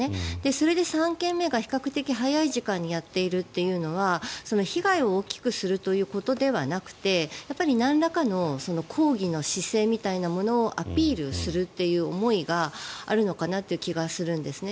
それで３件目が比較的早い時間にやっているというのは被害を大きくするということではなくてやっぱり、なんらかの抗議の姿勢みたいなものをアピールするっていう思いがあるのかなという気がするんですね。